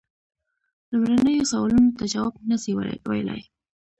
لومړنیو سوالونو ته جواب نه سي ویلای.